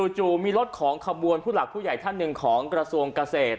จู่มีรถของขบวนผู้หลักผู้ใหญ่ท่านหนึ่งของกระทรวงเกษตร